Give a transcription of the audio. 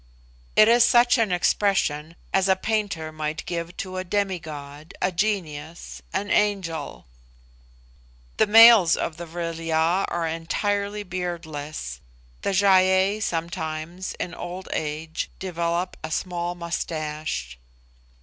It is such an expression as a painter might give to a demi god, a genius, an angel. The males of the Vril ya are entirely beardless; the Gy ei sometimes, in old age, develop a small moustache.